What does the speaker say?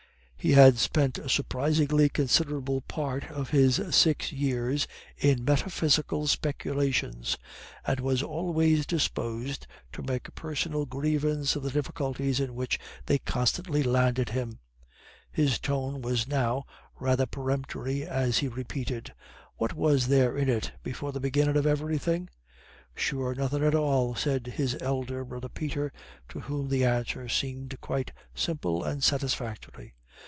He had spent a surprisingly considerable part of his six years in metaphysical speculations, and was always disposed to make a personal grievance of the difficulties in which they constantly landed him. His tone was now rather peremptory as he repeated, "What was there in it before the beginnin' of everythin'?" "Sure, nothin' at all," said his elder brother Peter, to whom the answer seemed quite simple and satisfactory.